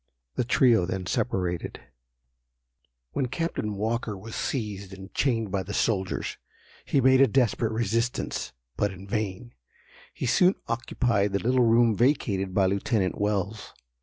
The trio then separated. When Captain Walker was seized and chained by the soldiers, he made a desperate resistance, but in vain. He soon occupied the little room vacated by Lieutenant Wells.